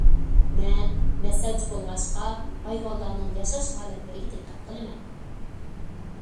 مەن مەسەلچى بولغاچقا ھايۋانلارنىڭ ياشاش ھالەتلىرىگە دىققەت قىلىمەن.